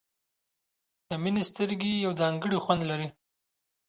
د مینې سترګې یو ځانګړی خوند لري.